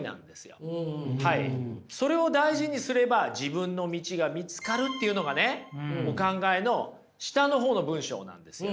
それを大事にすれば自分の道が見つかるっていうのがねお考えの下のほうの文章なんですよ。